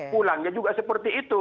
pulangnya juga seperti itu